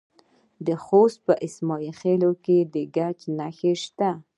د خوست په اسماعیل خیل کې د ګچ نښې شته.